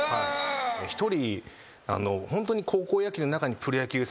１人ホントに。